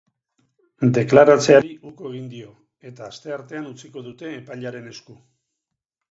Deklaratzeari uko egin dio, eta asteartean utziko dute epailearen esku.